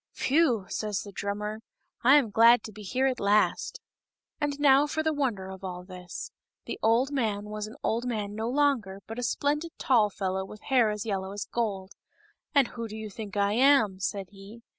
" Phew !" says the drummer, " I am glad to be here at last !" 294 KING STORK. And now for the wonder of all this : The old man was an old man no longer, but a splendid tall fellow with hair as yellow as gold. " And who do you think I am ?" said he.